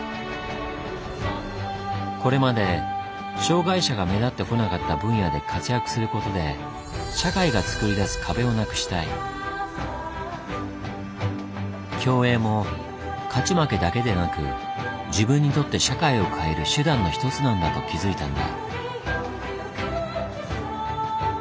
これまで障害者が目立ってこなかった分野で活躍することで競泳も勝ち負けだけでなく自分にとって社会を変える手段の一つなんだと気付いたんだ。